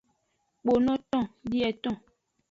Kponoton bieton.